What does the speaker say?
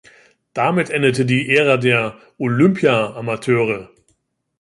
Damit endete die Ära der „Olympia-Amateure“.